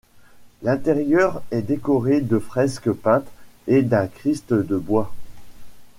L'intérieur est décoré de fresques peintes, et d'un Christ de bois.